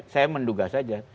saya menduga saja